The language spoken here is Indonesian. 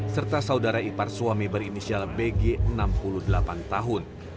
serta saudara ipar suami berinisial bg enam puluh delapan tahun